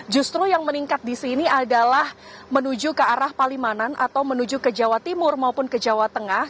justru yang meningkat di sini adalah menuju ke arah palimanan atau menuju ke jawa timur maupun ke jawa tengah